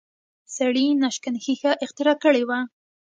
سړي ناشکن ښیښه اختراع کړې وه